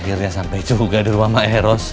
akhirnya sampai juga di rumah maheros